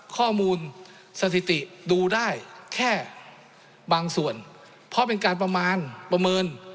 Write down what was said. ข้อมูลสถิติดูได้แค่บางส่วนเพราะเป็นการประมาณประเมิน